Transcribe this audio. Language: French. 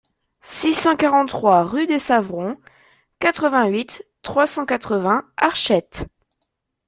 six cent cinquante-trois rue des Savrons, quatre-vingt-huit, trois cent quatre-vingts, Archettes